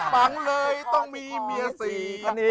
ปังเลยต้องมีเมียสี่